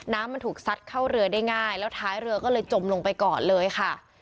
น้ำมันถูกซัดเข้าเรือได้ง่ายแล้วท้ายเรือก็เลยจมลงไปก่อนเลยค่ะ